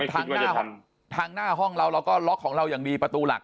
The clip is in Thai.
ยืนยันว่าทางหน้าห้องเราแล้วก็ล็อกของเราอย่างมีประตูหลัก